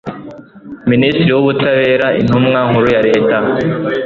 minisitiri w ubutabera intumwa nkuru yareta